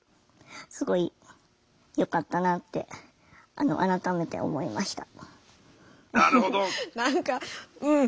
すごいよかったなって改めて思いました。